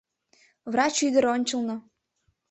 Врач ӱдыр ончылно!